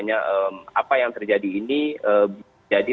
apa yang terjadi ini